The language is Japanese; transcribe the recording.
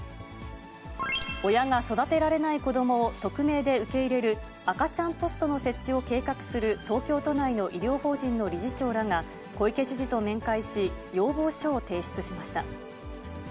親が育てられない子どもを匿名で受け入れる赤ちゃんポストの設置を計画する東京都内の医療法人の理事長らが、小池知事と面会し、要望書を提出しました。